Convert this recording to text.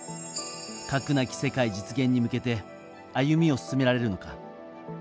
核なき世界実現へ向けて歩みを進められるのか。